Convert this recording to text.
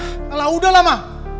alah udahlah ma